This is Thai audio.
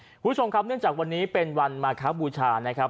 คุณผู้ชมครับเนื่องจากวันนี้เป็นวันมาคบูชานะครับ